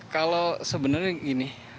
kalau sebenarnya gini